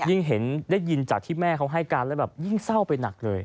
ยิ่งเห็นได้ยินจากที่แม่เขาให้การแล้วแบบยิ่งเศร้าไปหนักเลย